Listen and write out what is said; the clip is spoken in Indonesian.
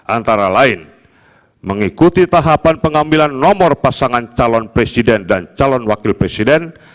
antara lain mengikuti tahapan pengambilan nomor pasangan calon presiden dan calon wakil presiden